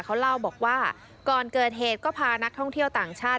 เขาเล่าบอกว่าก่อนเกิดเหตุก็พานักท่องเที่ยวต่างชาติ